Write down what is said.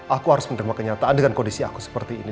aku harus menerima kenyataan dengan kondisi aku seperti ini